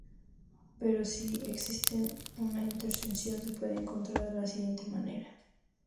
Pero si existe una intersección, se puede encontrar de la siguiente manera.